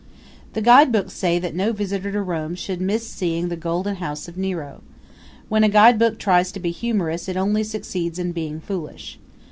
The guidebooks say that no visitor to Rome should miss seeing the Golden House of Nero. When a guidebook tries to be humorous it only succeeds in being foolish.